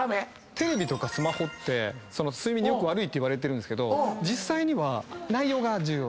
テレビとかスマホって睡眠に悪いっていわれてるんですけど実際には内容が重要。